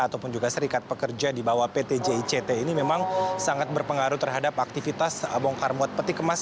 ataupun juga serikat pekerja di bawah pt jict ini memang sangat berpengaruh terhadap aktivitas bongkar muat peti kemas